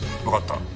わかった。